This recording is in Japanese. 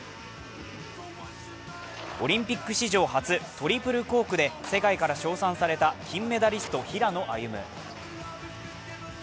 オリンピック史上初、トリプルコークで世界から称賛された金メダリスト・平野歩夢。